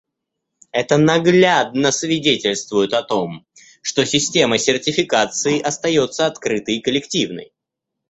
Это наглядно свидетельствует о том, что Система сертификации остается открытой и коллективной.